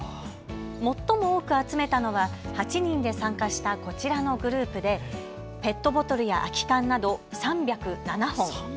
最も多く集めたのは８人で参加したこちらのグループでペットボトルや空き缶など３０７本。